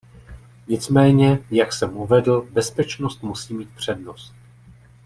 Nicméně jak jsem uvedl, bezpečnost musí mít přednost.